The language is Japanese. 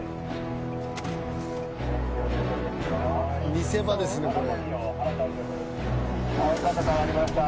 見せ場ですねこれ。